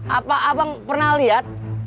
apa abang pernah lihat